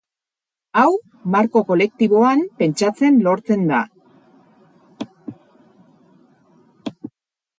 Hau, marko kolektiboan pentsatzen lortzen da.